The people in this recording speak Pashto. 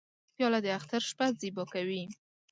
پیاله د اختر شپه زیبا کوي.